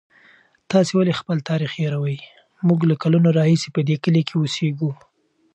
تاسې ولې خپل تاریخ هېروئ؟ موږ له کلونو راهیسې په دې کلي کې اوسېږو.